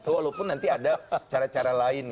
walaupun nanti ada cara cara lain